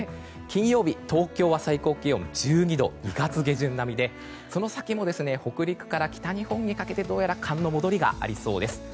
金曜日東京は最高気温１２度と２月下旬並みでその先も北陸から北日本にかけて寒の戻りがありそうです。